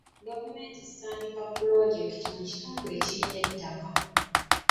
Gavumenti zitandika pulojekiti mu kitundu ekirina ettaka.